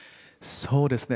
そうですね